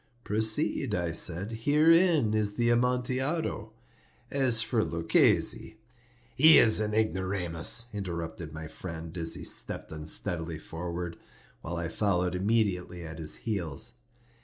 "Proceed," I said; "herein is the Amontillado. As for Luchesi—" "He is an ignoramus," interrupted my friend, as he stepped unsteadily forward, while I followed immediately at his heels.